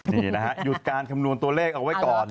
นี่นะฮะหยุดการคำนวณตัวเลขเอาไว้ก่อน